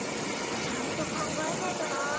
ちゃんと考えねえとな。